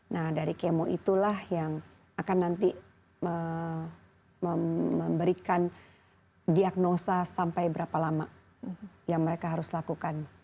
nah dari kemo itulah yang akan nanti memberikan diagnosa sampai berapa lama yang mereka harus lakukan